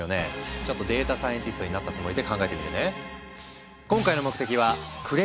ちょっとデータサイエンティストになったつもりで考えてみるね。